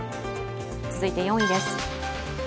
続いて４位です。